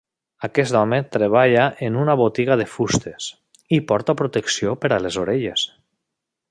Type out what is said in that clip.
Aquest home treballa en una botiga de fustes i porta protecció per a les orelles.